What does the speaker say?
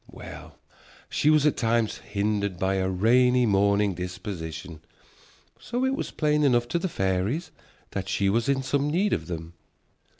Well, she was at times hindered by a rainy mornin' disposition. So it was plain enough to the fairies that she was in some need of them.